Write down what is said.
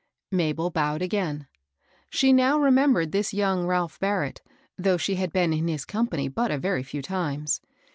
'* Mabel bowed again. She now remembered this young Ralph Barrett, though she had been in his company but a very few times.